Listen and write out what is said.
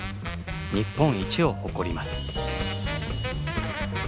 日本一を誇ります。